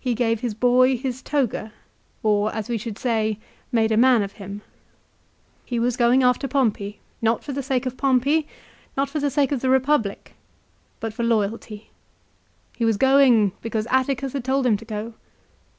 He gave his boy his toga, or as we should say, made a man of him. He was going 1 Ad Att. lib. ix. 12. VOL. II. 146 LIFE OF CICERO. after Pompey, not for the sake of Pompey, not for the sake of the Republic, but for loyalty. He was going' because Atticus had told him to go.